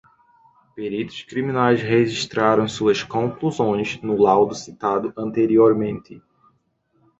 Peritos criminais registraram suas conclusões no laudo citado anteriormente